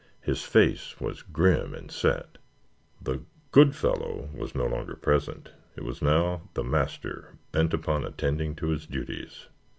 His face was grim and set. The good fellow was no longer present it was now the master, bent upon attending to his duties.